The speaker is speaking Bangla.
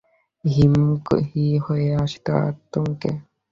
যখন সে আমার দিকে তাকাত, রক্ত আমার হিম হয়ে আসত আতঙ্কে।